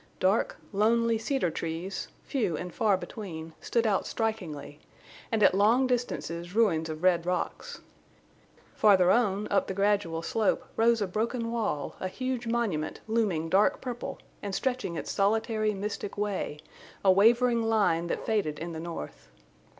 Dark, lonely cedar trees, few and far between, stood out strikingly, and at long distances ruins of red rocks. Farther on, up the gradual slope, rose a broken wall, a huge monument, looming dark purple and stretching its solitary, mystic way, a wavering line that faded in the north.